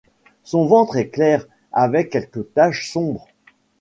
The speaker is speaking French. Son ventre est clair avec quelques taches sombres.